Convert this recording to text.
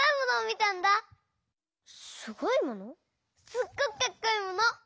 すっごくかっこいいもの！